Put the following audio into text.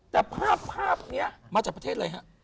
แต่ภาพนี้มาจากประเทศอะไรฮะ